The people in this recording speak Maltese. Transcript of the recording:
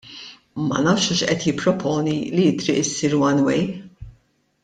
Ma nafx hux qed jipproponi li t-triq issir one way.